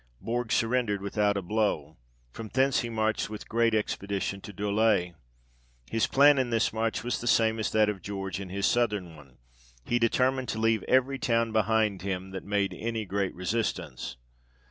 Bourg surrendered without one blow ; from thence he marched with great expedition to D61e ; his plan in this march was the same as that of George in his southern one ; he determined to leave every town behind him that made any great resistance.